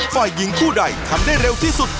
ฝ่ายหญิงคู่ใดทำได้เร็วที่สุด